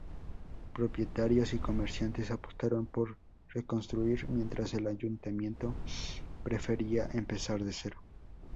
Propietarios y comerciantes apostaron por reconstruir, mientras el Ayuntamiento prefería empezar de cero.